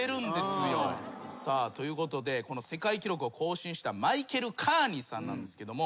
さあということでこの世界記録を更新したマイケル・カーニーさんなんですけども。